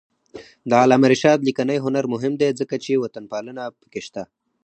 د علامه رشاد لیکنی هنر مهم دی ځکه چې وطنپالنه پکې شته.